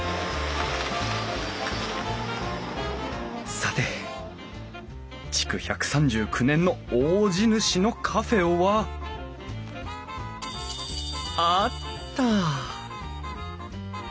さて築１３９年の大地主のカフェはあった！